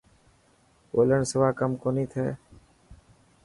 ٻولڻ سوا ڪم ڪوني ٿي.